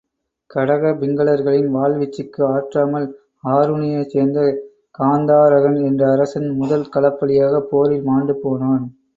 கடக பிங்கலர்களின் வாள்வீச்சுக்கு ஆற்றாமல் ஆருணியைச் சேர்ந்த காந்தாரகன் என்ற அரசன் முதல் களப்பலியாகப் போரில் மாண்டு போனான்.